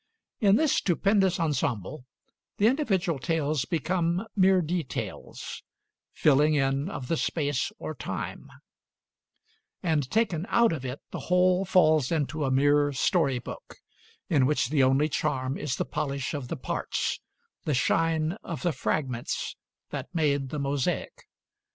In this stupendous ensemble, the individual tales become mere details, filling in of the space or time; and, taken out of it, the whole falls into a mere story book, in which the only charm is the polish of the parts, the shine of the fragments that made the mosaic.